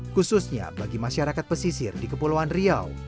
khususnya bagi masyarakat pesisir di kepulauan riau